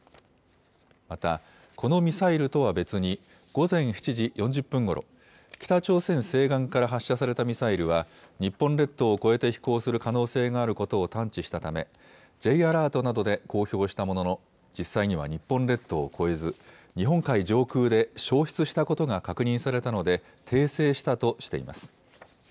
また、このミサイルとは別に、午前７時４０分ごろ、北朝鮮西岸から発射されたミサイルは、日本列島を越えて飛行する可能性があることを探知したため、Ｊアラートなどで公表したものの、実際には日本列島を越えず、日本海上空で消失したことが確認されたので、訂正したとしています。